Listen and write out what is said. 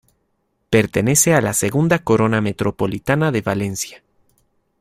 Pertenece a la segunda corona metropolitana de Valencia.